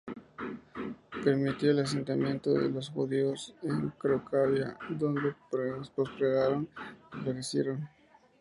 Permitió el asentamiento de los judíos en Cracovia, donde prosperaron y florecieron.